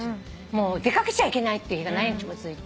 出掛けちゃいけないっていう日が何日も続いて。